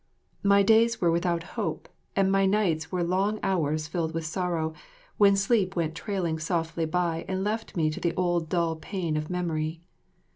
My days were without hope and my nights were long hours filled with sorrow, when sleep went trailing softly by and left me to the old dull pain of memory.